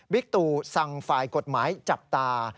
ตู่สั่งฝ่ายกฎหมายจับตา